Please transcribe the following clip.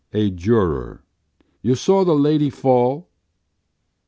A juror. “You saw the lady fall?